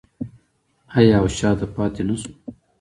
آیا او شاته پاتې نشو؟